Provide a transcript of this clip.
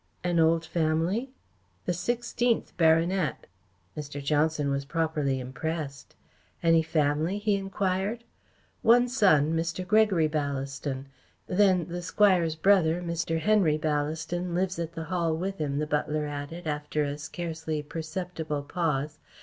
"An old family?" "The sixteenth baronet." Mr. Johnson was properly impressed. "Any family?" he enquired. "One son Mr. Gregory Ballaston. Then the Squire's brother Mr. Henry Ballaston lives at the Hall with him," the butler added, after a scarcely perceptible pause.